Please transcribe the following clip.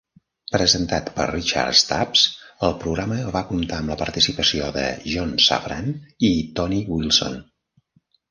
Presentat per Richard Stubbs, el programa va comptar amb la participació de John Safran i Tony Wilson.